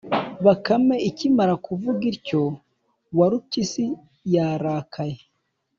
Bakame ikimara kuvuga ityo, Warupyisi yarakaye